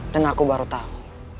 dan aku baru tahu